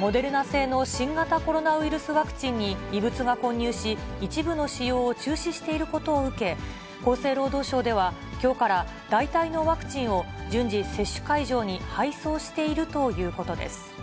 モデルナ製の新型コロナウイルスワクチンに異物が混入し、一部の使用を中止していることを受け、厚生労働省ではきょうから代替のワクチンを順次、接種会場に配送しているということです。